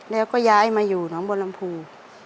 แล้วก็ย้ายมาอยู่น้องบนลำภู